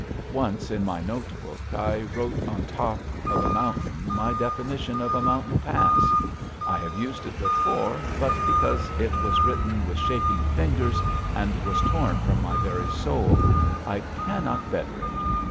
Once, in my notebook, I wrote on top of a mountain my definition of a mountain pass. I have used it before, but because it was written with shaking fingers and was torn from my very soul, I cannot better it.